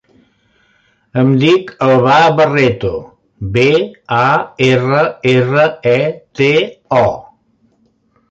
Em dic Albà Barreto: be, a, erra, erra, e, te, o.